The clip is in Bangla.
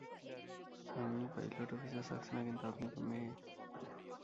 আমিই পাইলট অফিসার সাক্সেনা কিন্তু আপনি তো মেয়ে!